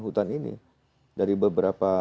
hutan ini dari beberapa